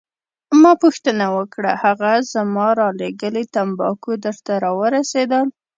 ما پوښتنه وکړه: هغه زما رالیږلي تمباکو درته راورسیدل؟